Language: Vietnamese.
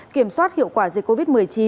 kiểm soát hiệu quả dịch covid một mươi chín